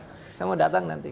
saya mau datang nanti